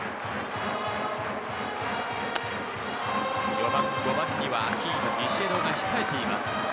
４番、５番にはアキーノ、ビシエドが控えています。